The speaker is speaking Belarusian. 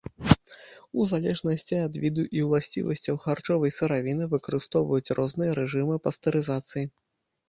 У залежнасці ад віду і уласцівасцяў харчовай сыравіны выкарыстоўваюць розныя рэжымы пастэрызацыі.